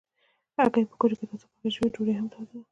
هګۍ په کوچو کې تازه پخې شوي ډوډۍ هم توده ده.